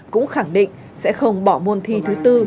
cũng khẳng định sẽ không bỏ môn thi thứ tư